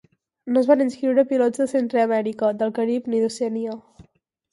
No es van inscriure pilots de Centreamèrica, del Carib ni d'Oceania.